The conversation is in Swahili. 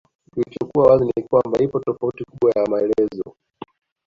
Kilichokuwa wazi ni kwamba ipo tofauti kubwa ya maelezo